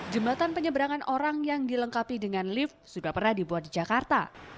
jembatan penyeberangan orang yang dilengkapi dengan lift sudah pernah dibuat di jakarta